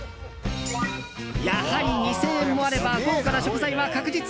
やはり２０００円もあれば豪華な食材は確実。